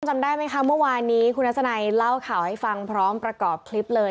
จำได้ไหมคะเมื่อวานนี้คุณทัศนัยเล่าข่าวให้ฟังพร้อมประกอบคลิปเลย